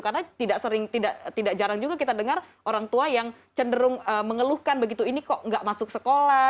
karena tidak sering tidak jarang juga kita dengar orang tua yang cenderung mengeluhkan begitu ini kok tidak masuk sekolah